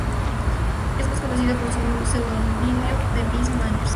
Es más conocida por su pseudónimo de Miss Manners.